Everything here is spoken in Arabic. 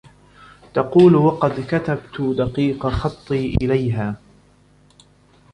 تَقُولُ وَقَدْ كَتَبْتُ دَقِيقَ خَطِّي إلَيْهَا